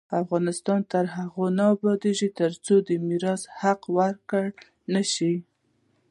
افغانستان تر هغو نه ابادیږي، ترڅو د میرمنو میراث حق ورکړل نشي.